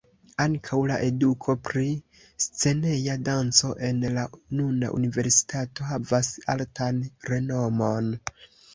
Ankaŭ la eduko pri sceneja danco en la nuna universitato havas altan renomon.